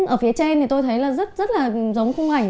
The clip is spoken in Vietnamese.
ở phía trên thì tôi thấy là rất rất là giống khung ảnh